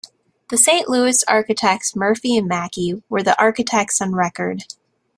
The Saint Louis architects Murphy and Mackey were the architects on record.